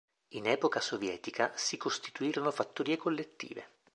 In epoca sovietica, si costituirono fattorie collettive.